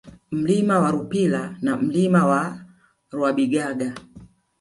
Mlima wa Rupila na Milima ya Rwabigaga